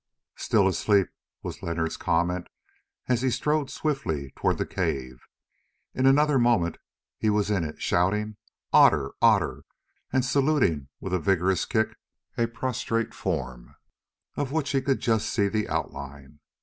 "Still asleep," was Leonard's comment as he strode swiftly towards the cave. In another moment he was in it shouting "Otter, Otter!" and saluting with a vigorous kick a prostrate form, of which he could just see the outline.